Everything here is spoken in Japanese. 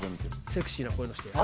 セクシーな声の人や。